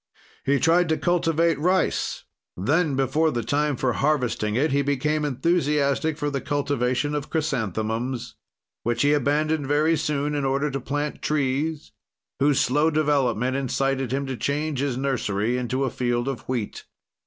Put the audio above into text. "He tried to cultivate rice; then, before the time for harvesting it, he became enthusiastic for the cultivation of chrysanthemums, which he abandoned very soon in order to plant trees, whose slow development incited him to change his nursery into a field of wheat.